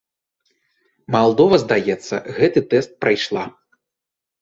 Малдова, здаецца, гэты тэст прайшла.